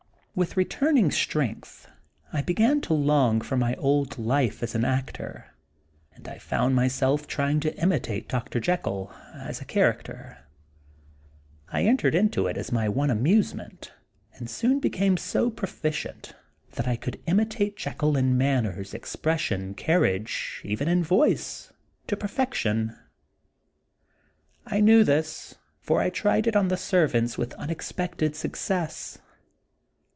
With returning strength I began to long for my old life as an actor, and I found myself trying to imitate Dr. Jekyll, as a character. I entered into it as my one amusement, and soon became so pro ficient that I could imitate Jekyll in man ners, expression, carriage, even in voice, to perfection. I knew this, for I tried it on the servants with unexpected success.